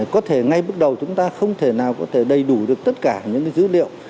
có thể ngay bước đầu chúng ta không thể nào có thể đầy đủ được tất cả những dữ liệu